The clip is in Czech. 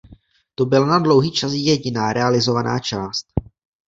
To byla na dlouhý čas jediná realizovaná část.